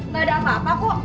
gak ada apa apa kok